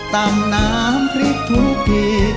ตำน้ำพริกทุกที